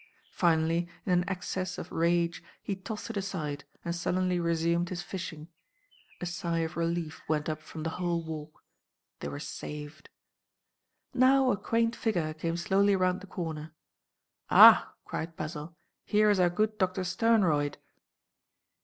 Finally, in an access of rage, he tossed it aside and sullenly resumed his fishing. A sigh of relief went up from the whole Walk. They were saved. Now a quaint figure came slowly round the corner. "Ah!" cried Basil, "here is our good Doctor Sternroyd!"